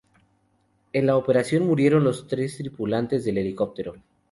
En la operación murieron los tres tripulantes del helicóptero.